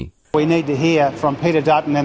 kita perlu mendengar dari peter dutton dan lnp